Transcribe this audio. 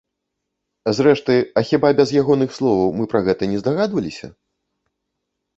Зрэшты, а хіба без ягоных словаў мы пра гэта не здагадваліся?